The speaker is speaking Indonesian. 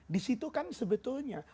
disitu kan sebetulnya